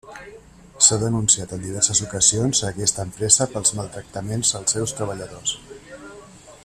S'ha denunciat en diverses ocasions a aquesta empresa pels maltractaments als seus treballadors.